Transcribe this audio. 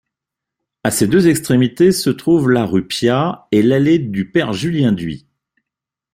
À ses deux extrémités se trouvent la rue Piat et l'allée du Père-Julien-Dhuit.